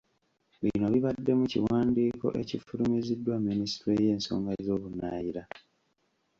Bino bibadde mu kiwandiiko ekifulumiziddwa minisitule y'ensonga z'ebunaayira.